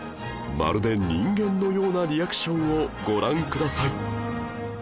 まるで人間のようなリアクションをご覧ください